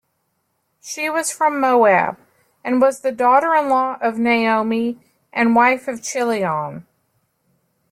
She was from Moab and was the daughter-in-law of Naomi and wife of Chilion.